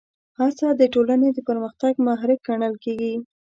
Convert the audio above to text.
هڅه د ټولنې د پرمختګ محرک ګڼل کېږي.